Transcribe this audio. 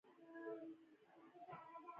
نو به پر دې پوه شئ چې مفکورې څنګه بدلې شوې